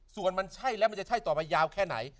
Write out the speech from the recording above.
ส่วนมันใช่แล้วมันจะใช่ต่อไปยาวแค่ไหน